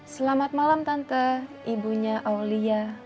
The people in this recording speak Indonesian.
selamat malam tante ibunya aulia